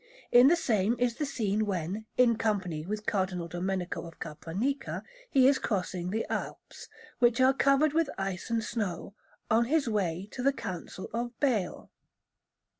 In the same is the scene when, in company with Cardinal Domenico of Capranica, he is crossing the Alps, which are covered with ice and snow, on his way to the Council of Bâle.